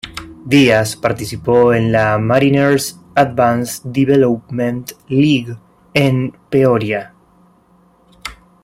Díaz participó en la Mariners Advance Development League en Peoria.